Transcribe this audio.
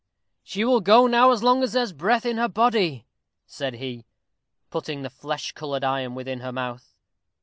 "She will now go as long as there's breath in her body," said he, putting the flesh covered iron within her mouth.